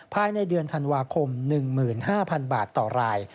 ภายในเดือนธันวาคม๑๕๐๐๐บาทต่อราย